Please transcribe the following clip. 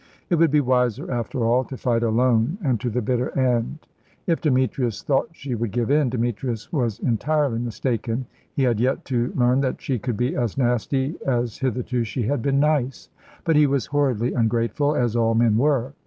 It would be wiser, after all, to fight alone and to the bitter end. If Demetrius thought she would give in, Demetrius was entirely mistaken. He had yet to learn that she could be as nasty as hitherto she had been nice. But he was horridly ungrateful, as all men were.